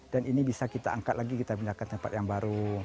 dan ini bisa kita angkat lagi kita pindahkan tempat yang baru